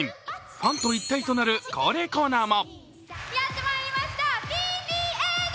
ファンと一体となる恒例コーナーも。